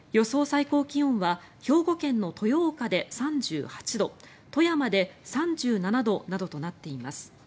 最高気温は兵庫県の豊岡で３８度富山で３７度などとなっています。